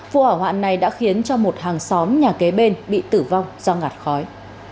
vụ hỏa hoạn này đã khiến cho một hàng xóm nhà kế bên bị tử vong do ngạt khói